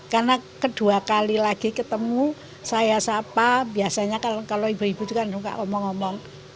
karena kedua kali lagi ketemu saya sapa biasanya kalau ibu ibu juga enggak ngomong ngomong